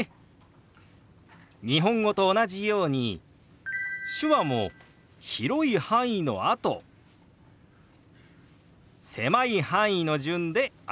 日本語と同じように手話も広い範囲のあと狭い範囲の順で表します。